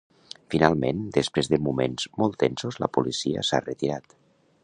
Finalment, després de moments molt tensos, la policia s’ha retirat.